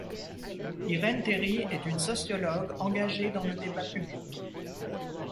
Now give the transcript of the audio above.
Irène Théry est une sociologue engagée dans le débat public.